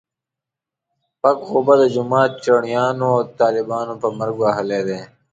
پک غوبه د جومات چړیانو او طالبانو په مرګ وهلی دی.